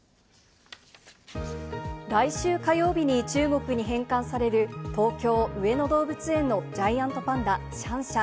来週火曜日に中国に返還される東京・上野動物園のジャイアントパンダ、シャンシャン。